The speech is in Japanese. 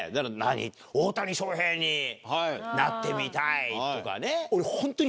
「大谷翔平になってみたい」とかね。